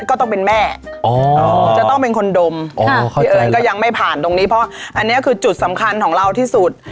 ก็ต้องเป็นแม่จะต้องเป็นคนดมพี่เอิญก็ยังไม่ผ่านตรงนี้เพราะอันนี้คือจุดสำคัญของเราที่สุด